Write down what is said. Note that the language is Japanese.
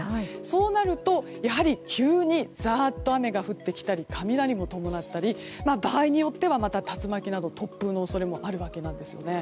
そうなると急にざっと雨が降ってきたり雷も伴ったり場合によっては竜巻など突風の恐れもあるわけなんです。